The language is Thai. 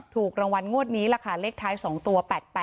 ถูกรางวัลงวดนี้แหละค่ะเลขท้าย๒ตัว๘๘